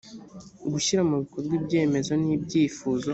gushyira mu bikorwa ibyemezo n ibyifuzo